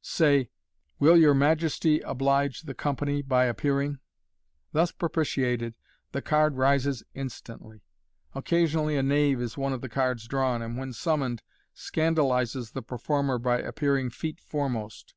Say, ' Will your Majesty oblige the com pany by appearing ?" Thus propitiated, the card rises instantly. Occasionally a knave is one of the cards drawn, and, when summoned, scandalizes the performer by appearing feet foremost.